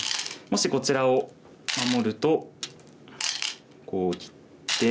もしこちらを守るとこうきて。